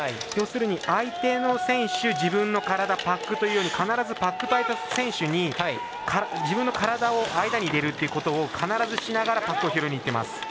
要するに相手の選手、自分の体パックというように必ずパックと相手の選手に自分の体を間に入れるというのを必ずしながらパックを拾いにいってます。